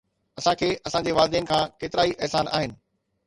اسان کي اسان جي والدين کان ڪيترائي احسان آهن